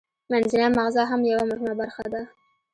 منځنی مغزه هم یوه مهمه برخه ده